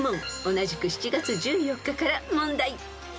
［同じく７月１４日から問題］